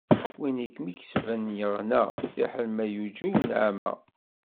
Win i kem-ikesben yeɣna, fiḥel ma yuǧew nneɛma.